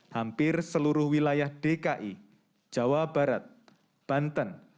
hampir seluruh wilayah dki jawa barat banten